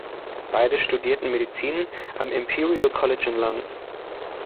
Beide studierten Medizin am Imperial College in London.